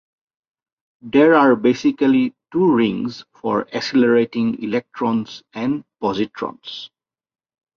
There are basically two rings for accelerating electrons and positrons.